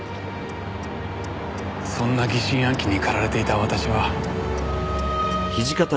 そんな疑心暗鬼にかられていた私は。